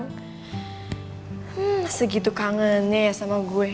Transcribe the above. hmm segitu kangennya ya sama gue